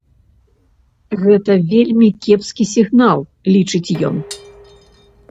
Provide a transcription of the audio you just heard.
Гэта вельмі кепскі сігнал, лічыць ён.